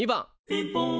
「ピンポン」